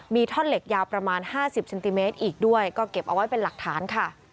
มีท่อนเหล็กยาวประมาณ๕๐เซนติเมตรอีกด้วยก็เก็บเอาไว้เป็นหลักฐานค่ะ